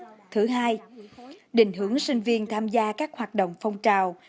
từ năm thứ hai định hưởng sinh viên tham gia các hoạt động phong trào